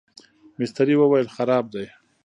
مستري وویل خراب دی.